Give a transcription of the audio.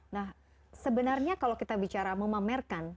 nah sebenarnya kalau kita bicara memamerkan